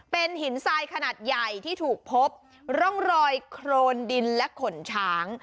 เป็นหินทรายขนาดใหญ่ที่ถูกพบร่องรอยโครนดินและขนช้าง